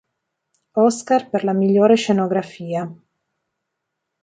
Oscar per la migliore scenografia.